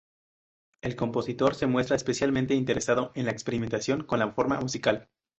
El compositor se muestra especialmente interesado en la experimentación con la forma musical.